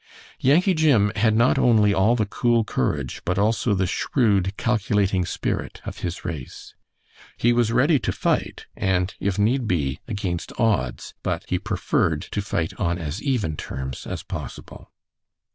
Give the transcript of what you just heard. Yankee Jim had not only all the cool courage but also the shrewd, calculating spirit of his race. He was ready to fight, and if need be against odds, but he preferred to fight on as even terms as possible.